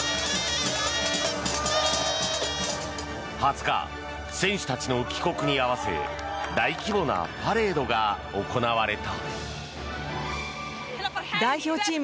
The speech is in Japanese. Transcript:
２０日、選手たちの帰国に合わせ大規模なパレードが行われた。